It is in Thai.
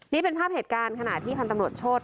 นี่เป็นภาพเหตุการณ์ขณะที่พันธุ์ตำรวจโชธ